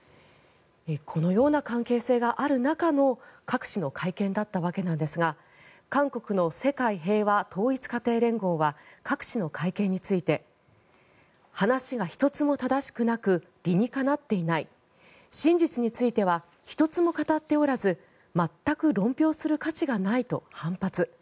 このような関係性がある中のカク氏の会見だったわけですが韓国の世界平和統一家庭連合はカク氏の会見について話が１つも正しくなく理にかなっていない真実については１つも語っておらず全く論評する価値がないと反発。